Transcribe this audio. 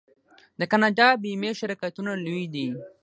د کاناډا بیمې شرکتونه لوی دي.